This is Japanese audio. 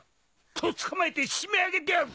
とっ捕まえて締め上げてやる！